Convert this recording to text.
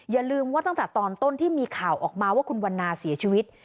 อย่าลืมว่าตั้งแต่ตอนต้นที่มีข่าวออกมาว่าคุณวันนาเสียชีวิต